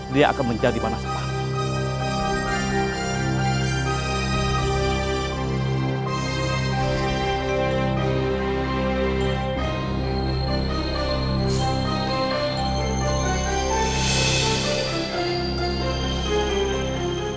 dia akan menjadi manas paham